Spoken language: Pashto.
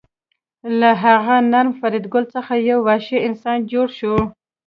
له هغه نرم فریدګل څخه یو وحشي انسان جوړ شو